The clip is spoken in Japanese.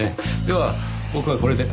では僕はこれで。